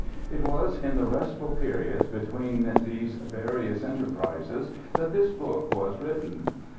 It was in the restful periods between these various enterprises that this book was written.